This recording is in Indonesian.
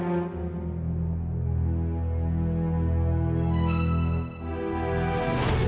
karena aku juga udah pake jam préc coaches